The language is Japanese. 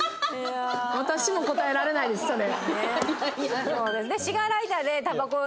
私も答えられないですそれ。